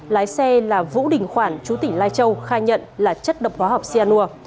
lái xe là vũ đình khoản chú tỉnh lai châu khai nhận là chất độc hóa học xe nua